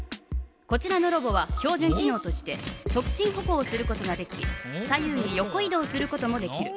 こちらのロボは標じゅん機のうとして直進歩行をすることができ左右に横い動することもできる。